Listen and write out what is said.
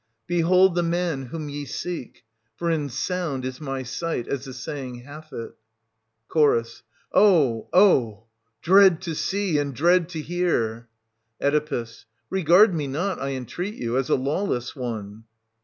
Behold the man whom ye seek ! for in sound is my sight, as the saying hath it. 140 Ch. O! O! Dread to see, and dread to hear ! Oe. Regard me not, I entreat you, as a lawless one.